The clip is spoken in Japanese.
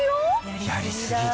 やりすぎだ。